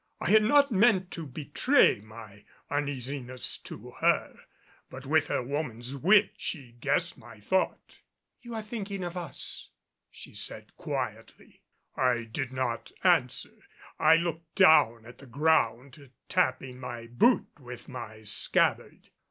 I had not meant to betray my uneasiness to her, but with her woman's wit she guessed my thought. "You are thinking of us," she said quietly. I did not answer. I looked down at the ground, tapping my boot with my scabbard.